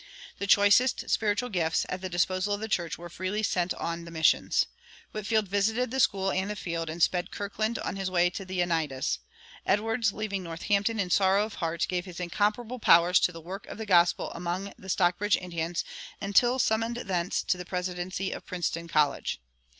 The choicest spiritual gifts at the disposal of the church were freely spent on the missions. Whitefield visited the school and the field, and sped Kirkland on his way to the Oneidas. Edwards, leaving Northampton in sorrow of heart, gave his incomparable powers to the work of the gospel among the Stockbridge Indians until summoned thence to the presidency of Princeton College.